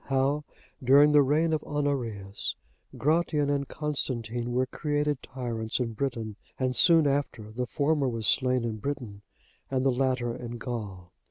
How during the reign of Honorius, Gratian and Constantine were created tyrants in Britain; and soon after the former was slain in Britain, and the latter in Gaul.